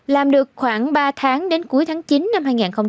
làm được khoảng ba tháng đến cuối tháng chín năm hai nghìn hai mươi